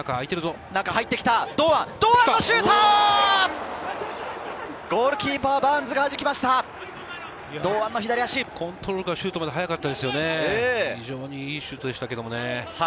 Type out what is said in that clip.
非常にいいシュートでしたけど。